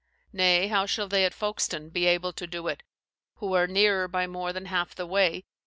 Nay, how shall they at Foulkstone be able to do it, who are nearer by more than half the way?